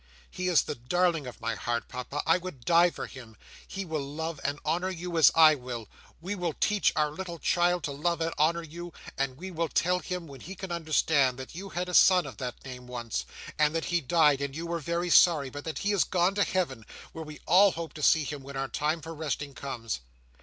"He is the darling of my heart, Papa I would die for him. He will love and honour you as I will. We will teach our little child to love and honour you; and we will tell him, when he can understand, that you had a son of that name once, and that he died, and you were very sorry; but that he is gone to Heaven, where we all hope to see him when our time for resting comes.